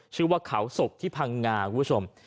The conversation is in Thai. ชื่อว่าเขาศกที่พังงาคุณผู้ชม